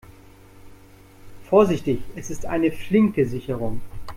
Vorsichtig, es ist eine flinke Sicherung.